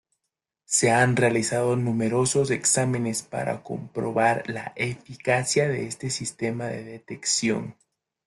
Se han realizado numerosos exámenes para comprobar la eficacia de este sistema de detección.